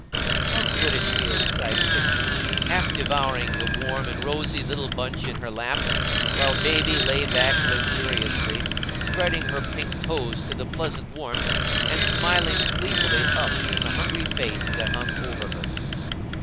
"How good it feels!" sighed Christie, half devouring the warm and rosy little bunch in her lap, while baby lay back luxuriously, spreading her pink toes to the pleasant warmth and smiling sleepily up in the hungry face that hung over her.